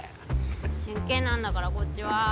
しんけんなんだからこっちは。